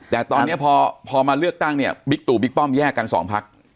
แต่ตอนนี้พอมาเลือกตั้งเนี่ยบิ๊กตู่บิ๊กป้อมแยกกันสองพัก